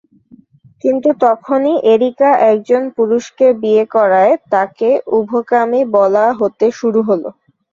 কিন্তু তখনই এরিকা একজন পুরুষকে বিয়ে করাই তাকে উভকামী বলা হতে শুরু হলো।